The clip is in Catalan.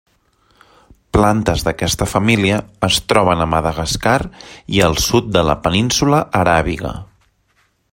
Plantes d'aquesta família es troben a Madagascar i al sud de la Península Aràbiga.